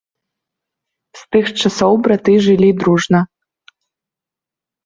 З тых часоў браты жылі дружна.